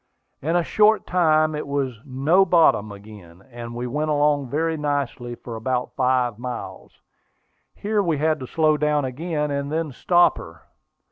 In a short time it was "No bottom" again; and we went along very nicely for about five miles. Here we had to slow down again, and then stop her.